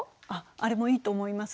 あれもいいと思います。